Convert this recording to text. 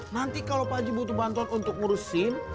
nanti kalau pak haji butuh bantuan untuk ngurusin